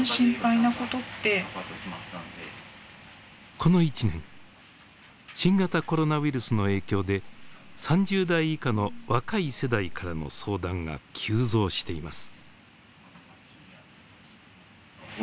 この１年新型コロナウイルスの影響で３０代以下の若い世代からの相談が急増しています。